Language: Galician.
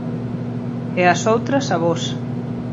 E as outras avós.